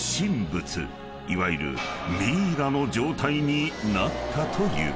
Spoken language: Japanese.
［いわゆるミイラの状態になったという］